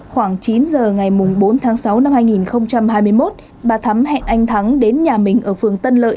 khoảng chín giờ ngày bốn tháng sáu năm hai nghìn hai mươi một bà thắm hẹn anh thắng đến nhà mình ở phường tân lợi